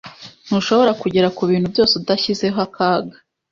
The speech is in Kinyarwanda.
Ntushobora kugera kubintu byose udashyizeho akaga.